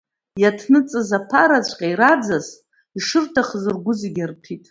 Иаҭныҵыз, аԥараҵәҟьа ираӡаз, ишырҭахыз ргәы зегьы арҭәит.